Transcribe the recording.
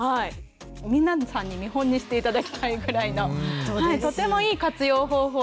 皆さんに見本にして頂きたいぐらいのとてもいい活用方法だと思います。